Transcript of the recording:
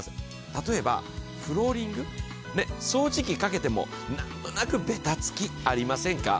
例えばフローリング、掃除機かけても何となくべたつきありませんか？